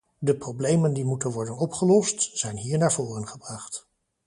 De problemen die moeten worden opgelost, zijn hier naar voren gebracht.